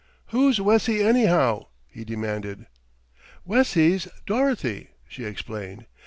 "Who's Wessie, anyhow?" he demanded. "Wessie's Dorothy," she explained.